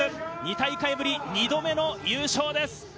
２大会ぶり２度目の優勝です。